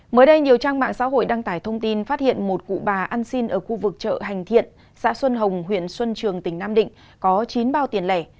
mới đây nhiều trang mạng xã hội đăng tải thông tin phát hiện một cụ bà ăn xin ở khu vực chợ hành thiện xã xuân hồng huyện xuân trường tỉnh nam định có chín bao tiền lẻ